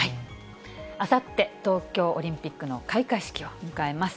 あさって東京オリンピックの開会式を迎えます。